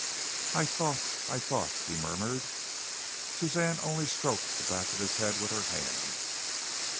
"I thought, I thought," he murmured. Suzanne only stroked the back of his head with her hands.